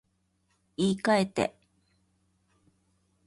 言い換えて